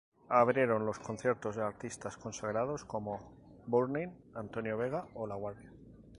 Abrieron los conciertos de artistas consagrados como Burning, Antonio Vega o La Guardia.